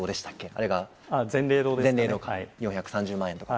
あれが４３０万円とか。